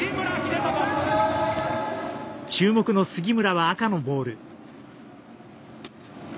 注目の杉村は赤のボール。